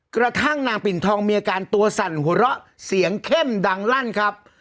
กระทั่งนางปิ่นทองมีอาการตัวสั่นหัวเราะเสียงเข้มดังลั่นครับ